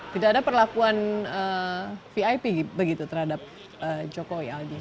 tidak ada perlakuan vip begitu terhadap joko widodo